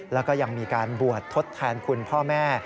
แล้วก็ยังมีการบวชทดแทนคุณพ่อแม่